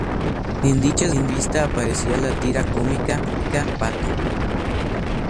En dicha revista aparecía la tira cómica "Mampato".